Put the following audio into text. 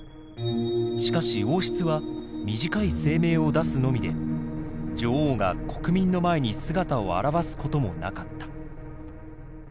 しかし王室は短い声明を出すのみで女王が国民の前に姿を現すこともなかった。